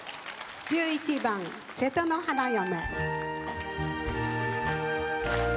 １１番「瀬戸の花嫁」。